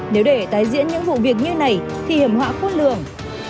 nếu để tái diễn những vụ việc như này thì hiểm họa khôn lường